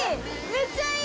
めっちゃいい！